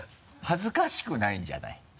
恥ずかしくないんじゃない？